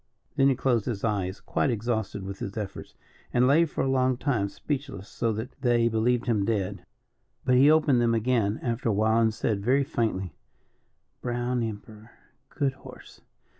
Then he closed his eyes, quite exhausted with his efforts, and lay for a long time speechless so that they believed him dead. But he opened them again after a while, and said, very faintly: "Brown Emperor; good horse.